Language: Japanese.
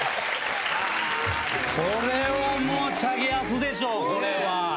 これはもうチャゲアスでしょう、これは。